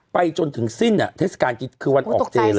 ไปจนถึงสิ้นเทศกาลกินคือวันออกเจเลย